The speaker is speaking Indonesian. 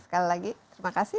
sekali lagi terima kasih